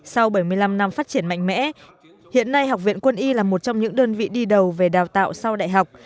sau bảy mươi năm năm phát triển mạnh mẽ hiện nay học viện quân y là một trong những đơn vị đi đầu về đào tạo sau đại học